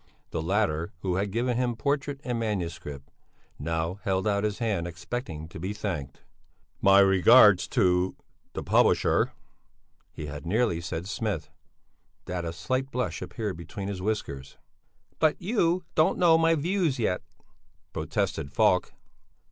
The latter, who had given him portrait and manuscript, now held out his hand expecting to be thanked. "My regards to the publisher." He had so nearly said Smith, that a slight blush appeared between his whiskers. "But you don't know my views yet," protested Falk.